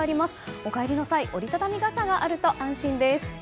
お帰りの際折り畳み傘があると安心です。